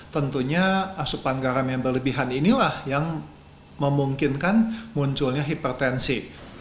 tentunya asupan garam yang berlebihan inilah yang memungkinkan munculnya hipertensi